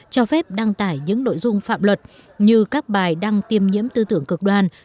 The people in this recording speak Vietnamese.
cho phép đăng tải những nội dung phạm luật như các bài đăng tiêm nhiễm tư tưởng cực đoan